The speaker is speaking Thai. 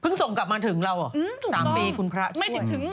เพิ่งส่งกลับมาถึงเราเหรอ๓ปีคุณพระช่วย